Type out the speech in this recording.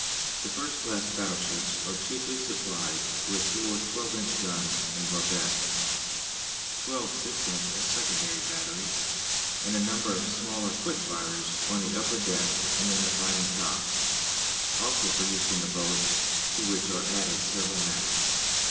The first class battleships are chiefly supplied with four 12 inch guns in barbettes, twelve 6 inch as secondary batteries, and a number of smaller quick firers on the upper decks and in the fighting tops, also for use in the boats, to which are added several Maxims.